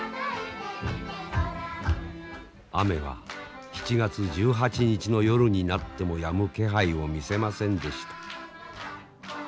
雨は７月１８日の夜になってもやむ気配を見せませんでした。